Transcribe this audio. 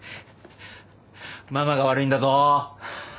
ママが悪いんだぞ。